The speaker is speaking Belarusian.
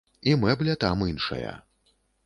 І мэбля там іншая.